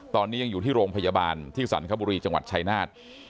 ตอนนี้ยังอยู่ที่โรงพยาบาลที่สรรคบุรีจังหวัดชายนาฏ